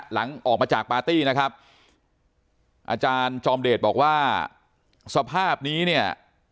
หลังออกมาจากปาร์ตี้นะครับอาจารย์จอมเดชบอกว่าสภาพนี้เนี่ย